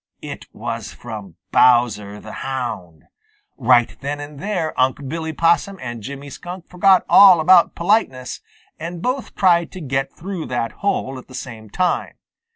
It was from Bowser the Hound. Right then and there Unc' Billy Possum and Jimmy Skunk forgot all about politeness, and both tried to get through that hole at the same time.